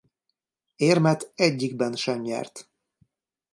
Érmet egyikben sem nyert.